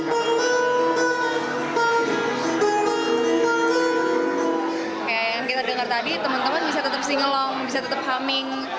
dan kita dengar tadi teman teman bisa tetap singelong bisa tetap humming